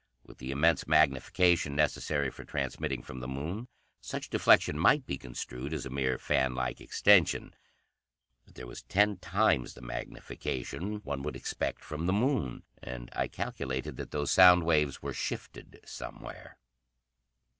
With the immense magnification necessary for transmitting from the Moon, such deflection might be construed as a mere fan like extension. But there was ten times the magnification one would expect from the Moon; and I calculated that those sound waves were shifted somewhere."